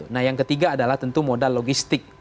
nah yang ketiga adalah tentu modal logistik